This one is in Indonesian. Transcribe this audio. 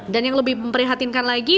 dan yang lebih memperhatinkan lagi